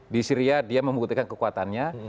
di syria dia membuktikan kekuatannya